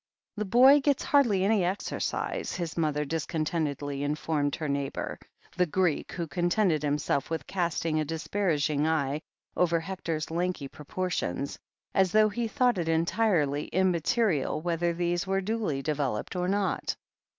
"The boy gets hardly any exercise," his mother dis contentedly informed her neighbour, the Greek, who THE HEEL OF ACHILLES 149 contented himself with casting a disparaging eye over Hector's lanky proportions, as though he thought it en tirely immaterial whether these were duly developed or not.